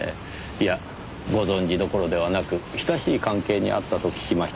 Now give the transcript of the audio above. いやご存じどころではなく親しい関係にあったと聞きました。